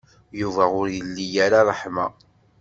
Yuba ur ili ara ṛṛeḥma.